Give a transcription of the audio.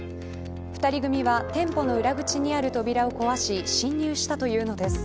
２人組は店舗の裏口にある扉を壊し侵入したというのです。